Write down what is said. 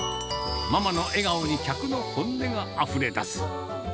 ママの笑顔に客の本音があふれ出す。